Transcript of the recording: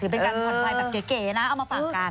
เป็นการผ่อนคลายแบบเก๋นะเอามาฝากกัน